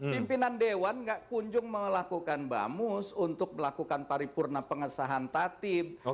pimpinan dewan gak kunjung melakukan bamus untuk melakukan paripurna pengesahan tatib